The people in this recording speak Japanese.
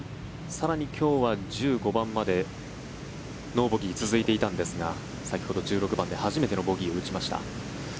更に今日は１５番までノーボギーが続いていたんですが先ほど１６番で初めてのボギーを打ちました。